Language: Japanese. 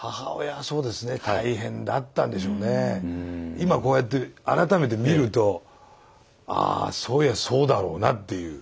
今こうやって改めて見るとああそういやそうだろうなっていう。